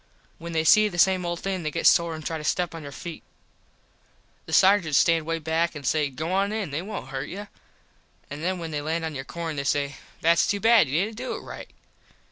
When they see the same old thing they get sore and try to step on your feet. The sargents stand way behind an say "Go on in. They wont hurt you." An then when they land on your corn they say "Thats to bad. You didnt do it right."